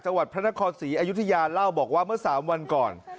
จังหวัดพระนครศรีอยุธยาเล่าบอกว่าเมื่อ๓วันก่อน